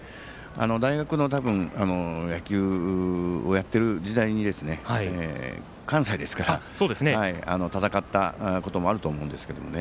大学の野球をやっている時代に関西ですから、戦ったこともあると思うんですけどもね。